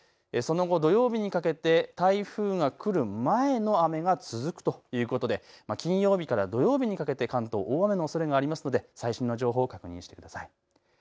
その後、土曜日にかけて台風が来る前の雨が続くということで金曜日から土曜日にかけて関東、大雨のおそれがありますので最新の情報を確認してください。